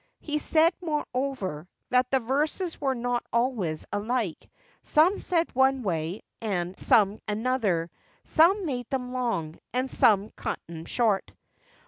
He said, moreover, 'that the verses were not always alike—some said one way, and some another—some made them long, and some cut 'em short.